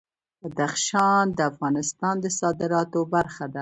بدخشان د افغانستان د صادراتو برخه ده.